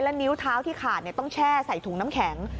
นิ้วเท้าที่ขาดต้องแช่ใส่ถุงน้ำแข็ง